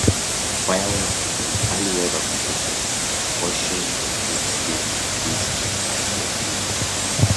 Viaweb was an early web application; portions of it still exist as Yahoo!